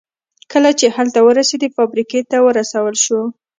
کله چې هلته ورسېد فابریکې ته ورسول شو